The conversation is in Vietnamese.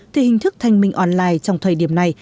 thì hình thức thanh minh online trong thời điểm này